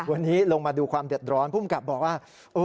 วันนี้ลงมาดูความเดือดร้อนภูมิกับบอกว่า